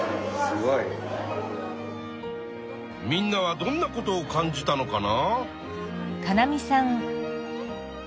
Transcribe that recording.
みんなはどんなことを感じたのかな？